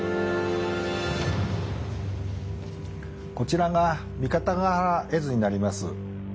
こちらが三方ヶ原絵図になります。